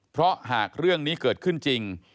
เพราะหากเรื่องนี้เกิดขึ้นจริง